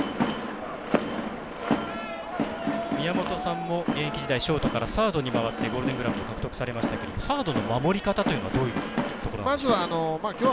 宮本さんも現役時代ショートからサードに回ってゴールデン・グラブも獲得されましたけどもサードの回り方というのはどういうところなんでしょう？